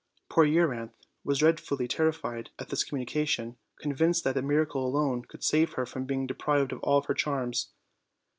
Poor Euryanthe was dread fully terrified at this communication, convinced that a miracle alone could save her from being deprived of all her charms.